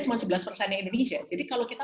cuma sebelas persennya indonesia jadi kalau kita